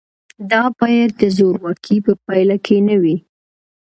دا باید د زورواکۍ په پایله کې نه وي.